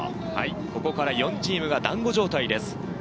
ここからは４チームが団子状態です。